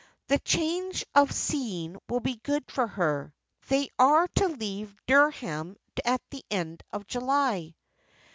The change of scene will be good for her. They are to leave Dereham at the end of July."